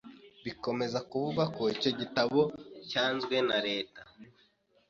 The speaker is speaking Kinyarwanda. Bikomeza bivugwa ko icyo gitabo cyanzwe na leta